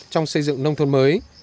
trong xây dựng nông thôn mới